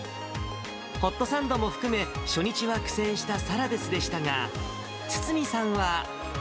ホットサンドも含め、初日は苦戦したサラベスでしたが、堤さんは。